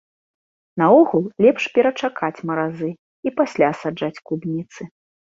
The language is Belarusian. Наогул, лепш перачакаць маразы, і пасля саджаць клубніцы.